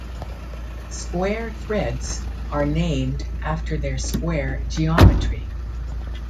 Square threads are named after their square geometry.